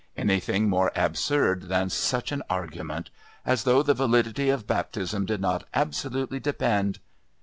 Anything more absurd than such an argument! as though the validity of Baptism did not absolutely depend...